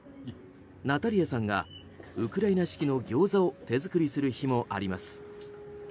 ナタリアさんがウクライナ式のギョーザを手作りする日もあります。